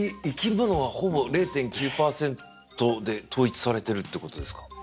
生き物はほぼ０．９％で統一されてるってことですか。